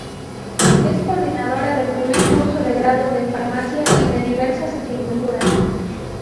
Es coordinadora del primer curso de grado de Farmacia y de diversas asignaturas.